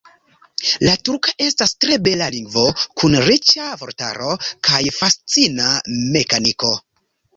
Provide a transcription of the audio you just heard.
La turka estas tre bela lingvo kun riĉa vortaro kaj fascina mekaniko.